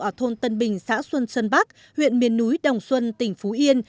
ở thôn tân bình xã xuân xuân bắc huyện miền núi đồng xuân tỉnh phú yên